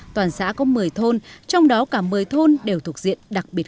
toàn xã có một mươi thôn trong đó cả một mươi thôn đều thuộc diện đặc biệt